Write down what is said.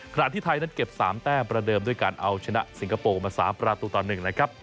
ขณะที่ไทยนั้นเก็บ๓แต้มประเดิมด้วยการเอาชนะสิงคโปร์มา๓ประตูต่อ๑นะครับ